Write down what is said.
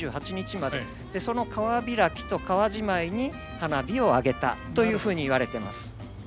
その川開きと川じまいに花火を揚げたというふうに言われてます。